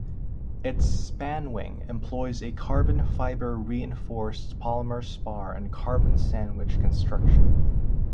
Its span wing employs a Carbon-fiber-reinforced polymer spar and carbon sandwich construction.